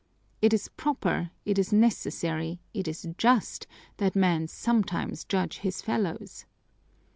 It is proper, it is necessary, it is just, that man sometimes judge his fellows."